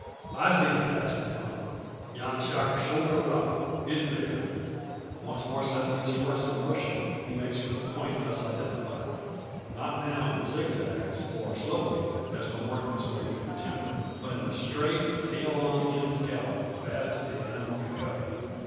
I see the pass now; yon sharp shoulder of rock its there." Once more setting his horse in motion, he makes for the point thus identified. Not now in zig zags, or slowly as when working his way through the timber but in a straight tail on end gallop, fast as the animal can go.